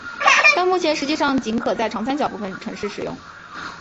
但目前实际上仅可在长三角部分城市使用。